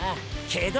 けど。